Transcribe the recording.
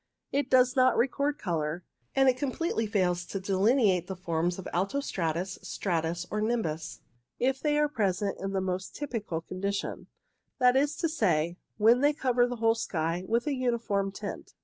It does not record colour, and completely fails to delineate the forms of alto stratus, stratus, or nimbus, if they are present in the most typical condition, that is to say, when they cover the whole sky with a uniform tint.